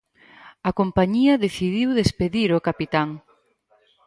A compañía decidiu despedir o capitán.